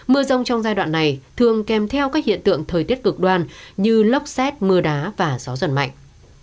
mưa rông trong giai đoạn này thường kèm theo các hiện tượng thời tiết cực đoan như lốc xét mưa đá và gió giật mạnh